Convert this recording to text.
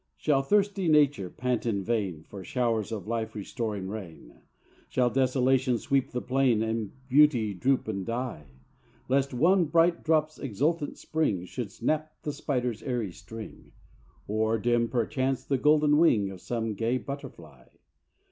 Shall thirsty nature pant in vain For showers of life restoring rain; Shall desolation sweep the plain And beauty droop and die; Lest one bright drop's exultant spring Should snap the spider's airy string, Or dim, perchance, the golden wing Of some gay butterfly?